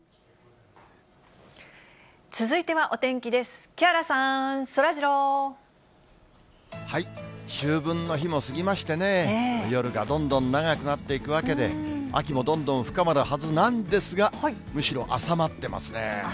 高校生がアイデアとチームワーク秋分の日も過ぎましてね、夜がどんどん長くなっていくわけで、秋もどんどん深まるはずなんですが、むしろ浅まってますね。